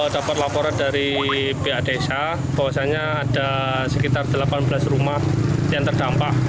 dapat laporan dari pihak desa bahwasannya ada sekitar delapan belas rumah yang terdampak